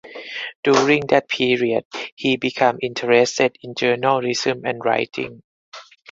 During that period he became interested in journalism and writing.